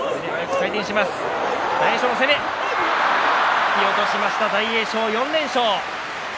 引き落としました大栄翔、４連勝。